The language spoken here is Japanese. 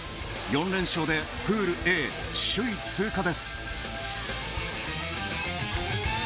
４連勝でプールＡ首位通過です！